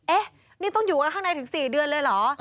เอ๊ะนี่ต้องอยู่ไว้ข้างในถึง๔เดือนเลยเหรอ